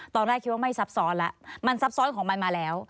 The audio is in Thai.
ตอนแรกคิดว่าไม่ซับซ้อนแล้วมันซับซ้อนของมันมาแล้ว